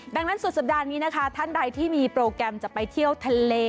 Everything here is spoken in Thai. ดังนั้นสุดสัปดาห์นี้นะคะท่านใดที่มีโปรแกรมจะไปเที่ยวทะเล